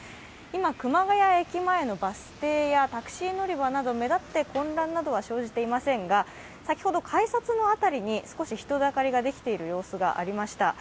今、熊谷駅前のバス停やタクシー乗り場など、目立って混乱などは生じていませんが先ほど改札の辺りに少し人だかりができているような様子がありました。